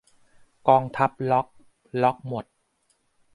กองทัพล็อค ล็อคหมด